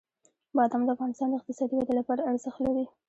بادام د افغانستان د اقتصادي ودې لپاره ارزښت لري.